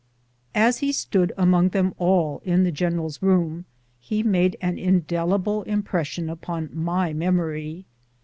As he stood among them all in the general's room, he made an indelible impression on my memory.